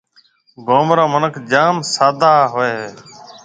گوم را مِنک جام سادھ ھوئيَ ھيََََ